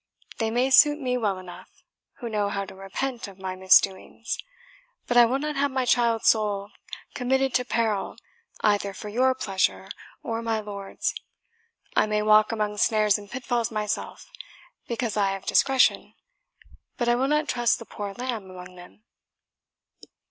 They may suit me well enough, who know how to repent of my misdoings; but I will not have my child's soul committed to peril either for your pleasure or my lord's. I may walk among snares and pitfalls myself, because I have discretion, but I will not trust the poor lamb among them."